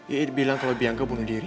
iit bilang kalau bianca bunuh diri